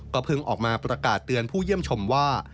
เพิ่งออกมาประกาศเตือนผู้เยี่ยมชมว่า